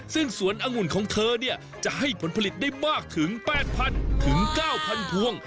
ซึ่งสวนองุ่นของเธอจะให้ผลผลิตได้มากถึง๘๐๐ถึง๙๐๐พวง